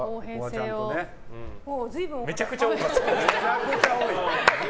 めちゃくちゃ多かった。